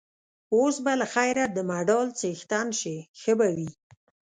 اوس به له خیره د مډال څښتن شې، ښه به وي.